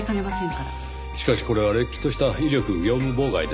しかしこれはれっきとした威力業務妨害です。